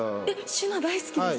シュナ大好きです。